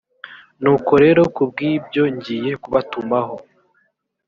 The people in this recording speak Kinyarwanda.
nuko rero ku bw ibyo ngiye kubatumaho